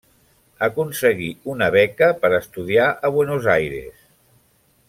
Aconseguí una beca per a estudiar a Buenos Aires.